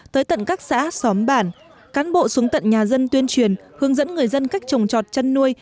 tới tận các xã xóm bản cán bộ xuống tận nhà dân tuyên truyền hướng dẫn người dân cách trồng trọt chăn nuôi